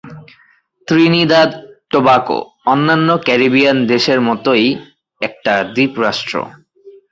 Trinidad Tobago অন্যান্য Caribbean দেশের মতই একটা দ্বীপরাষ্ট্র।